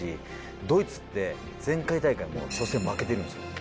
ドイツって前回大会も初戦負けてるんですよ。